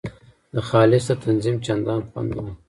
د خالص د تنظیم چندان خوند نه وو.